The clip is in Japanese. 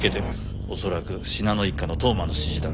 恐らく信濃一家の当麻の指示だろう。